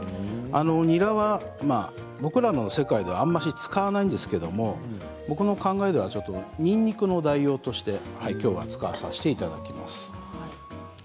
にらは僕らの世界ではあまり使わないんですが僕の考えではにんにくの代用としてきょうは使わせていただきます。